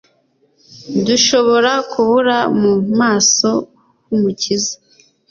dushobora kubura mu maso h'Umukiza,